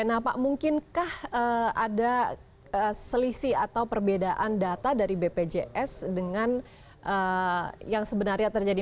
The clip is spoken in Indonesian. nah pak mungkinkah ada selisih atau perbedaan data dari bpjs dengan yang sebenarnya terjadi